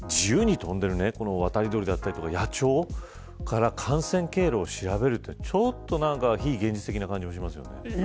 自由に渡り鳥だったり野鳥から感染経路を調べるってちょっと非現実的な感じもしますよね。